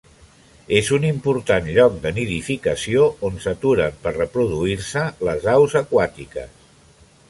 És un important lloc de nidificació on s'aturen per reproduir-se les aus aquàtiques.